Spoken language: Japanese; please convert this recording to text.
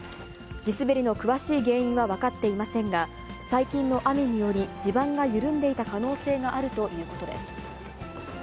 地滑りの詳しい原因は分かっていませんが、最近の雨により、地盤が緩んでいた可能性があるということです。